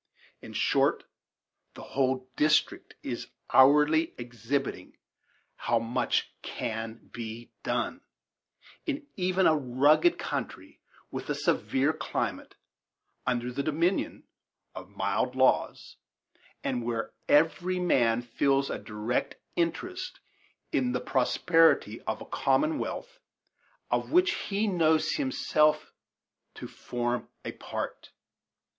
In short, the whole district is hourly exhibiting how much can be done, in even a rugged country and with a severe climate, under the dominion of mild laws, and where every man feels a direct interest in the prosperity of a commonwealth of which he knows himself to form a part.